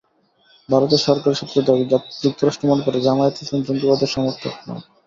ভারতের সরকারি সূত্রের দাবি, যুক্তরাষ্ট্র মনে করে, জামায়াতে ইসলামী জঙ্গিবাদের সমর্থক নয়।